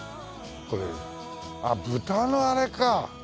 これあっ豚のあれか！